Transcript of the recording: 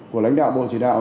của lãnh đạo bộ chỉ đạo